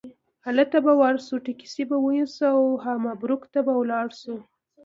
هلته به ور شو ټکسي به ونیسو او هامبورګ ته به لاړو.